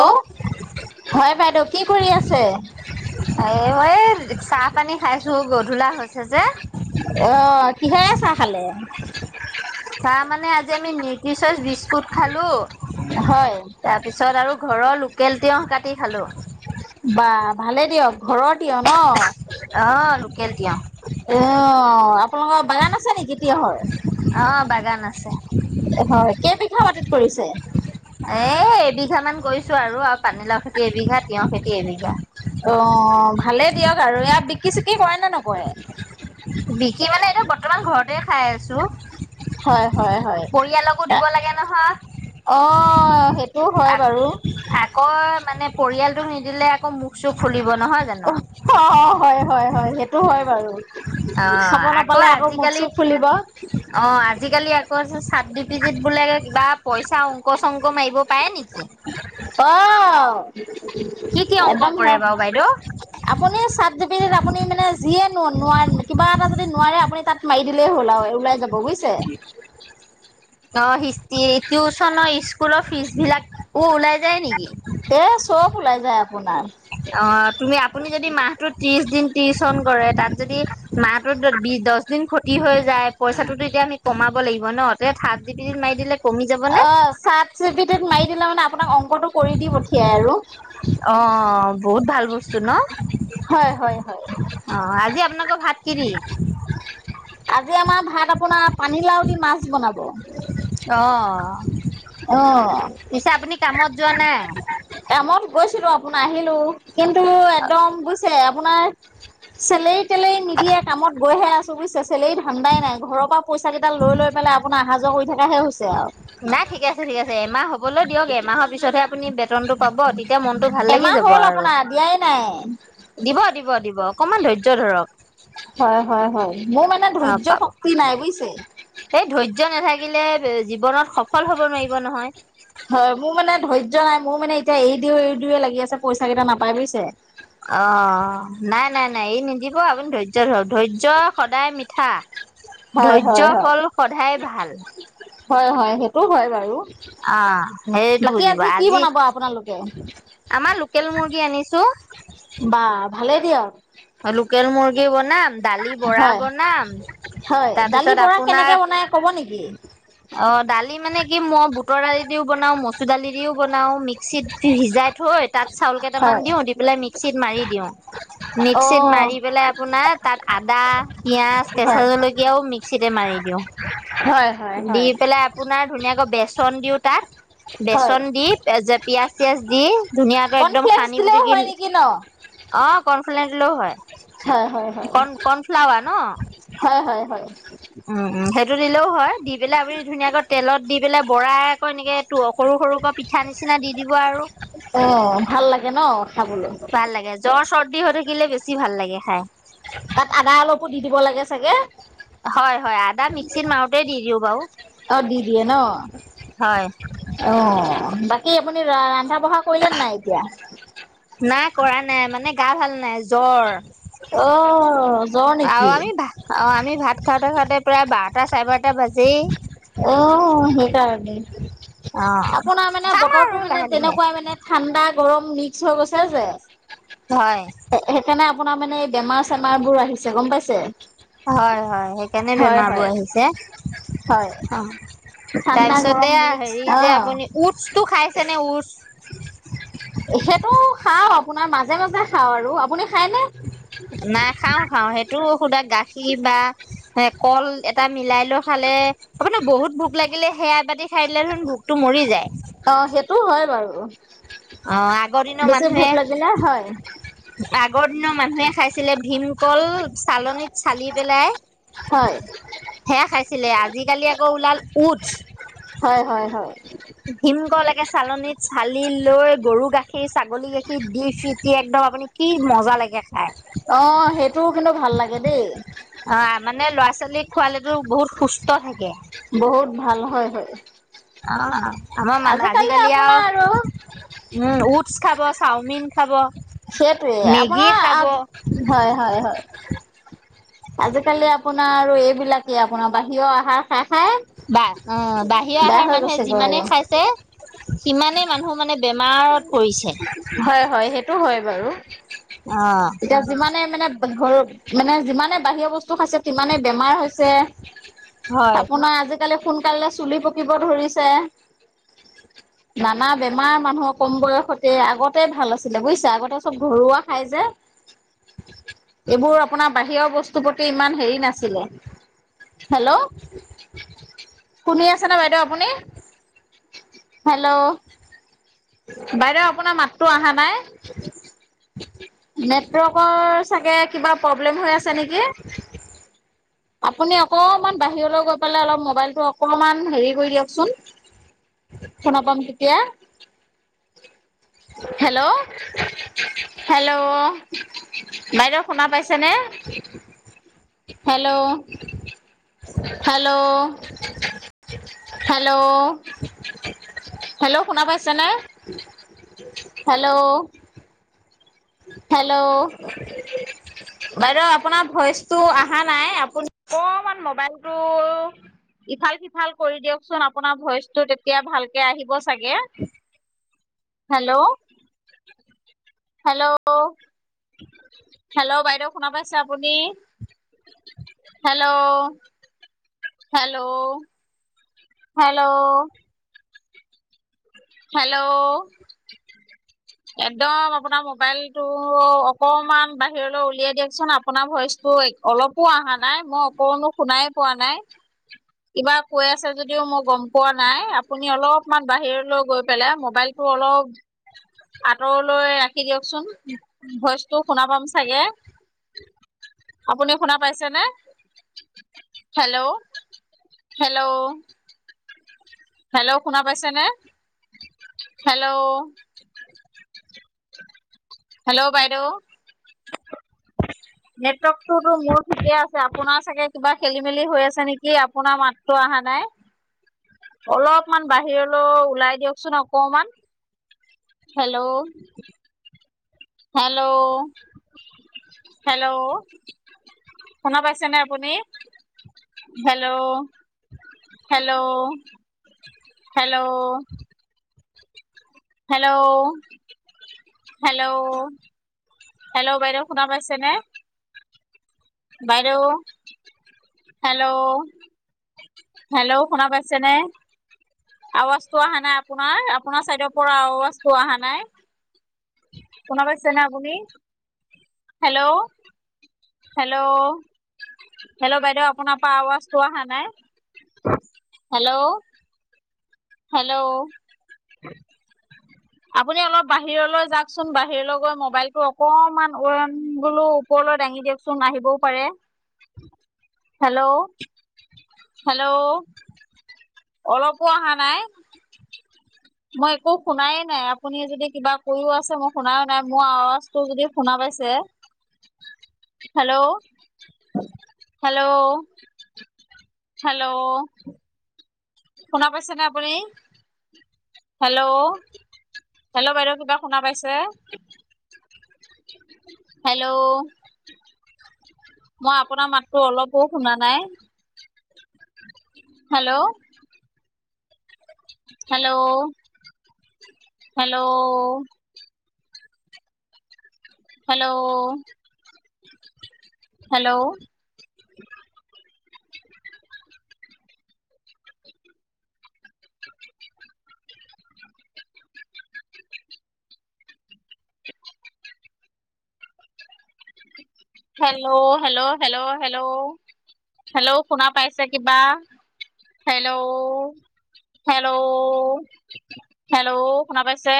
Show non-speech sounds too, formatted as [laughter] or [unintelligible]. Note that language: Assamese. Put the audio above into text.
কওক হয় বাইদেউ কি কৰি আছে? এ [unintelligible] চাহ পানী খাইছো গধূলা হৈছে যে। অ কিহেৰে চাহ খালে? চাহ মানে আজি আমি নিউট্ৰিচচ বিস্কুট খালো। হয় তাৰ পিছত আৰু ঘৰৰ লোকেল তিয়হ কাটি খালো। বা ভালে দিয়ক ঘৰৰ তিয়হ ন। অ লোকেল তিয়হ। অ আপোনালোকৰ বাগান আছে নেকি তিয়হৰ? অ বাগান আছে। হয় কেইবিঘা মাটিত কৰিছে? এই এবিঘা মান কৰিছো আৰু আও পানীলাও খেতি এবিঘা তিয়হ খেতি এবিঘা। অ ভালে দিয়ক আৰু ইয়াত বিকি চিকি কৰে নে নকৰে? বিকি মানে এতিয়া বৰ্তমান ঘৰতে খাই আছো। হয় হয় হয় পৰিয়ালকো দিব লাগে নহয় অ সেইটো হয় বাৰু। কয় মানে পৰিয়ালটোক নিদিলে আকৌ মুখ চোখ ফুলিব নহয় জানো। অ অ হয় হয় হয় সেইটো হয় বাৰু। অ খাব নাপালে আকৌ মূখ চুখ ফুলিব। অ আজিকালি আকৌ চাত জি পি টিত বোলে কিবা পইচা অংক শংক মাৰিব পাৰে নেকি? অহ কি কি অংক একদম হে কৰে বাৰু বাইদেউ? আপুনি চাত জি পি টি ত আপুনি মানে যিয়ে ন কিবা এটা যদি নোৱাৰে আপুনি তাত মাৰি দিলেই হ'ল আও ওলাই যাব বুইছ [unintelligible] অ হিষ্ট্ৰি টিউচন স্কুলৰ ফিজ বিলাকো ওলাই যায় নেকি? এ চব ওলাই যায় আপোনাৰ। অ তুমি আপুনি যদি মাহটোত ত্ৰিশ দিন টিউছন কৰে তাত যদি মাহটোত বিশ দহ দিন ক্ষতি হৈ যায় পইচাটোতো এতিয়া আমি কমাব লাগিব ন, তে চাৰ্ট জি বি টি ত মাৰি দিলে কমি যাব নে? অ চাট জি বি টিত মাৰি দিলে মানে আপোনাক অংকটো কৰি দি পঠিয়াই আৰু। অ অ বহুত ভাল বস্তু ন। হয় হয় হয় অ আজি আপোনোলোক ভাত কি দি? আজি আমাৰ ভাত আপোনাৰ পানীলাও দি মাছ বনাব। অ পিছে আপুনি কামত যোৱা নাই? এমত গৈছিলো আপোনাৰ আহিলো কিন্তু একদম বুইছে আপোনাৰ চেলেৰি তেলেৰি নিদিয়ে কামত গৈহে আছ ছো, বুজিচে? চেলেৰি ধান্দাই নাই। ঘৰৰ পৰা পইচা কেইটা লৈ লৈ পেলাই আপোনাৰ আহা যোৱা কৰি থাকাহে হৈছে আৱ। নাই ঠিক আছে ঠিক আছে। এমাহ হ'ব হ'বলৈ দিয়ক। এমাহৰ পিছতহে আপুনি বেতনটো পাব। তেতিয়া মনটো ভাল লাগি এমাহ যাব হ'ল আৰু। [unintelligible] নাই? দিব দিব দিব অকমান ধৈয্য ধৰক। হয় হয় হয়, মো মানে অ ধৈয্য পাব শক্তি নাই বুজিছে? এই ধৈয্য নেথাকিলে জীৱনত সফল হব নোৱাৰিব নহয়। হয় মো মানে ধৈয্য নাই, মো মানে এতিয়া এৰি দিওঁ এৰি দিওঁয়ে লাগি আছে পইচা কেটা নাপাই বুজিছে। অঁ' নাই নাই নাই এৰি নিদিব আপুনি ধৈয্য ধৰক, ধৈয্য সদায় মিঠা। হয় হয় ধৈয্য হয় ফল সধায় ভাল। হয় হয়, সেইটো হয় বাৰু। অ সেইটো বাকী আজি কি বনাব আপোনালোকে? আমা লোকেল মুৰ্গী আনিছো। বা ভালেই দিয়ক। অ'লোকেল মুৰ্গী বনাম, দালি বৰা হয় বনাম। হয়, দালি তাৰপিছত বৰা আপোনাৰ কেনেকে বনাই ক'ব নেকি? অ' দালি মানে কি? মই বুটৰ দালি দিও বনাও, মচুৰ দালি দিও- বনাও মিক্সিত সিজাই থৈ তাত চাউল হয় কেইটামান দিওঁ দি পেলাই মিক্সিত মাৰি দিওঁ। অ মিক্সিত মাৰি পেলাই আপোনাৰ তাত আদা, পিয়াজ, হয় কেঁচা জলকীয়াও মিক্স- চিতে মাৰি দিওঁ। হয়। হয় দি হয়। পেলাই আপোনাৰ ধুনীয়াকৈ বেচন দিও তাত হয় বেচন দি- এ যে পিয়াজ চিয়াজ দি, ধুনীয়াকৈ একদম কৰ্ণফ্লেক্স সানি দিলেও পুটিকি- হয় নেকি ন? অঁ কৰ্ণফ্লেন দিলেও হয়, হয় হয় হয়। কণ কৰ্ণফ্লাৱা ন? হয় হয় হয়। উম উম' সেইটো দিলেও হয়, দি পেলাই আপুনি ধুনীয়াকৈ তেলত দি পেলাই বৰাই আকৌ এনেকে- টো সৰু সৰুকৈ পিঠা নিচিনা দি দিব আৰু। অ' ভাল লাগে ন খাবলে? ভাল লাগে। জ্বৰ চৰ্দি হৈ থাকিলে বেছি ভাল লাগে খাই। তাত আদা অলপো দি দিব লাগে চাগে? হয় হয়, আদা মিক্সিত মাৰোতেই দি দিওঁ বাও, হয়। অঁ বাকী আপুনি ৰা ৰান্ধা বঢ়া কৰিলে নে নাই এতিয়া? নাই কৰা নাই, মানে গা ভাল নাই জ্বৰ। অ' জ্বৰ নেকি? অঁ আমি ভাত খাওঁতে খাওঁতে প্ৰায় বাৰটা চাৰে বাৰটা বাজেই। অঁ সেইকাৰণেই, অ আপোনাৰ মানে চাম আৰু বতৰটো মানে লাহে লাহে তেনেকুৱা মানে- ঠাণ্ডা গৰম মিক্স হৈ গৈছে যে। হয়। সে সেইকাণে আপোনাৰ মানে এই বেমাৰ চেমাৰ বোৰ আহিছে, গম পাইছে? হয় হয়, সেইকাণে হয় বেমাৰ হয় বোৰ আহিছে। হয়। ঠাণ্ডা তাৰপিছত গৰম এয়া মিক্স হেৰি অ যে আপুনি উটছটো খাইছেনে উটছ? সেটো খাওঁ আপোনাৰ মাজে মাজে খাওঁ আৰু, আপুনি খাইনে? নাই খাওঁ খাওঁ, সেইটো সোদা গাখীৰ বা- হেঁ কল এটা মিলাই লৈ খালে- আপোনা বহুত ভোক লাগিলে সেয়া এবাতি খাইদিলে দেখোন ভোকটো মৰি যায়। অঁ সেইটো হয় বাৰু, অ বেছি ভোক লাগিলে হয়। আগ দিন মানুহে খাইছিলে ভীম- কল চালনীত চালি পেলাই- হয় খাইছিলে, আজিকালি আকৌ ওলাল উটচ। হয় হয় হয়। ভীমকল একে চালনীত চালি লৈ গৰু গাখীৰ, ছাগলী গাখীৰ দি ফিটি একদম আপুনি কি মজা লাগে খাই। অ' সেইটোও কিন্তু ভাল লাগে দেই। আ মানে ল'ৰা-ছোৱালীক খোৱালেটো বহুত সুস্ত থাকে। বহুত ভাল হয় হয়। অ আজিকালি আপোনা আৰু উম উটছ খাব, চাওমিন খাব। সেইটোৱে মেগী আপোনাৰ আ খাব হয় হয় হয় আজিকালি আপোনা আৰু এইবিলাকে আপোনা বাহিয় আহাৰ খাই খাই। বা অ' বাহিয়া বেয়া আহাৰ হৈ মানুহে গৈছেগৈ যিমানে আৰু খাইছে সিমানে মানুহ মানে বেমাৰত পৰিছে হয় হয়, সেইটো হয় বাৰু। অ' এতিয়া যিমানে মানে ঘৰ মানে যিমানে বাহিৰৰ বস্তু খাইছে তিমানে বেমাৰ হৈছে। হয় আপোনাৰ আজিকালি সোনকালে চুলি পকিব ধৰিছে। নানা বেমাৰ মানুহৰ কম বয়সত। তে আগতে ভাল আছিলে বুইছা আগতে চব ঘৰুৱা খাই যে। এইবোৰ আপোনা বাহিৰৰ বস্তুৰ প্ৰতি ইমান হেৰি নাছিলে। হেল্ল' শুনি আছে নে বাইদেউ আপুনি? হেল্ল' বাইদেউ আপোনা মাতটো আহা নাই। নেটট্ৰৰ্কৰ চাগে কিবা প্ৰব্লেম হৈ আছে নেকি? আপুনি অকমান বাহিৰলৈ গৈ পেলাই অলপ মোবাইলটো অকমান হেৰি কৰি দিয়কচোন। [inaudible] শুনা পাম তেতিয়া। [inaudible] হেলৌ' হেল্ল' বাইদেউ শুনা পাইছে নে? হেলৌ' হেলৌ' হেলৌ' হেলৌ' শুনা পাইছেনে? হেলৌ' হেলৌ' বাইদেউ আপোনা ভইচটো আহা নাই, আপুনি অকমান মোবাইলটো ইফাল সিফাল কৰি দিয়কচোন, আপোনা ভইচটো তেতিয়া ভালকে আহিব চাগে। হেলৌ'হেলৌ' হেলৌ' বাইদেউ শুনা পাইছে আপুনি হেলৌ' হেলৌ' হেলৌ' হেলৌ' [inaudible] একদম আপোনা মোবাইলটো অকমান বাহিৰলৈ উলিয়াই দিয়কচোন আপোনাৰ ভইচটো এক অলপো আহা নাই, মই অকনো শুনাই পোৱা নাই। কিবা কৈ আছে যদিও মই গম পোৱা নাই, আপুনি অলপমান বাহিৰলক গৈ পেলাই মোবাইলটো অলপ আঁতৰলৈ ৰাখি দিয়কচোন ভইচটো শুনা পাম চাগে। আপুনি শুনা পাইছে নে হেল্ল' হেল্ল' হেল্ল' শুনা পাইছে নে হেল্ল' হেল্ল' বাইদেউ নেটৱৰ্কটোতো মোৰ ঠিকে আছে আপোনাৰ চাগে কিবা খেলি মেলি হৈ আছে নেকি আপোনাৰ মাততো অহা নাই [inaudible] অলপমান বাহিৰলৈ ওলাই দিয়কচোন অকমান হেল্ল' হেল্ল' হেল্ল' শুনা পাইছেনে আপুনি hello hello hello hello hello hello বাইদেউ শুনা পাইছেনে বাইদেউ, হেল্ল' হেল্ল' শুনা পাইছে নে আৱাজটো অহা নাই আপোনাৰ আপোনাৰ চাইডৰ পৰা আৱাজটো অহা নাই শুনা পাইছেনে আপুনি হেল্ল' হেল্ল' হেল্ল' বাইদেউ আপোনাৰ পৰা আৱাজটো অহা নাই হেল্ল' হেল্ল' আপুনি অলপ বাহিৰলৈ যাওকচোন বাহিৰলৈ গৈ মোবাইলটো অকণমান [unintelligible] ওপ ওপৰলৈ দাঙি দিয়কচোন আহিবও পাৰে [inaudible] হেল্ল' হেল্ল' অলপো অহা নাই মই একো শুনাই নাই আপুনি যদি কিবা কৈয়ো আছে মই শুনাও নাই মোৰ আৱাজ টো যদি শুনা পাইছে হেল্ল' হেল্ল' হেল্ল' শুনা পাইছেনে আপুনি হেল্ল' হেল্ল' বাইদেউ কিবা শুনা পাইছে হেল্ল' মই আপোনাৰ মাতটো অলপো শুনা নাই hello hello hello hello hello hello hello hello hello hello শুনা পাইছে কিবা হেল্ল' হেল্ল' হেল্ল' শুনা পাইছে